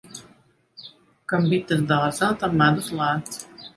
Kam bites dārzā, tam medus lēts.